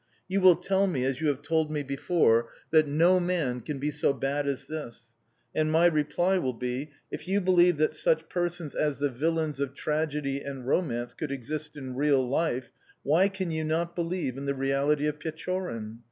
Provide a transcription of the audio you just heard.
You will tell me, as you have told me before, that no man can be so bad as this; and my reply will be: "If you believe that such persons as the villains of tragedy and romance could exist in real life, why can you not believe in the reality of Pechorin?